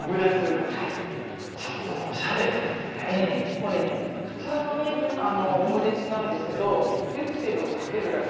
これね普通のねオムレツなんですけどデュクセルをかけるだけでね